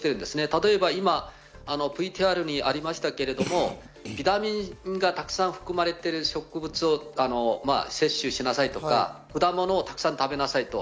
例えば、ＶＴＲにありましたように、ビタミンがたくさん含まれている植物を摂取しなさいとか果物をたくさん食べなさいと。